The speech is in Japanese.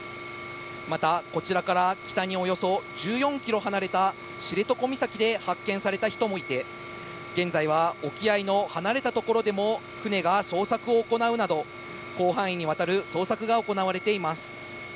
また、こちらから北におよそ１４キロ離れた知床岬で発見された人もいて、現在は沖合の離れた所でも、船が捜索を行うなど、広範囲にわたる捜索が行われています。